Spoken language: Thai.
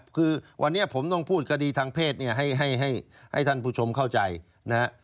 คือวันนี้ผมต้องพูดคดีทางเพศเนี่ยให้ท่านผู้ชมเข้าใจนะฮะ